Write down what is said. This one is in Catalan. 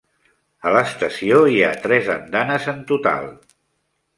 A l'estació hi ha tres andanes en total.